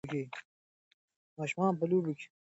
ماشومان په لوبو کې خپل استعداد ازمويي.